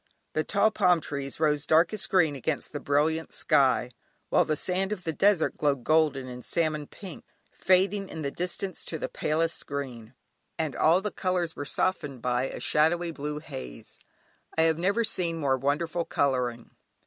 The tall palm trees rose darkest green against the brilliant sky, while the sand of the desert glowed golden and salmon pink, fading in the distance to the palest green; and all the colours were softened by a shadowy blue haze. I have never seen more wonderful colouring.